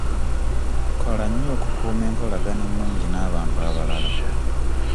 Kola nnyo okukuuma enkolagana ennungi n'abantu abalala.